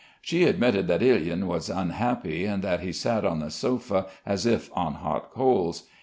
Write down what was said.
She admitted that Byin was unhappy and that he sat on the sofa as if on hot coals.